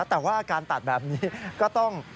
แต่ว่าการตัดแบบนี้ก็ต้อง